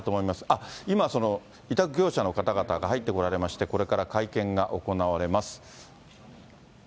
あっ、今、その委託業者の方々が入ってこられまして、これから会見が行われます。